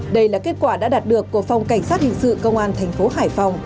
đây là kết quả đã đạt được của phòng cảnh sát hình sự công an tp hải phòng